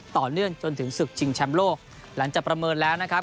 ต่อเนื่องจนถึงศึกชิงแชมป์โลกหลังจากประเมินแล้วนะครับ